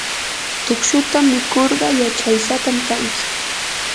tukshuta mikurqa yachaysapam kanki.